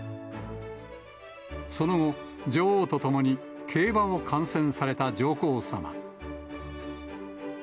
その後、女王と共に競馬を観戦された上皇さま。